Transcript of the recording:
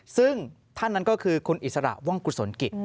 ซึ่งท่านนั้นก็คือคุณอิสระว่องกุศลกิจ